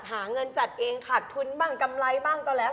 หาเงินจัดเองขาดทุนบ้างกำไรบ้างก็แล้ว